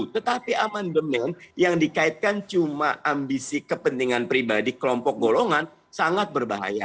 tetapi amandemen yang dikaitkan cuma ambisi kepentingan pribadi kelompok golongan sangat berbahaya